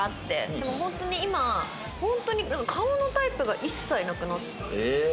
でも本当に今は本当に顔のタイプが一切なくなって。